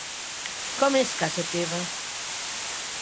Com és casa teva?